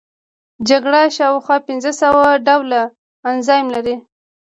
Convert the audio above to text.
جگر شاوخوا پنځه سوه ډوله انزایم لري.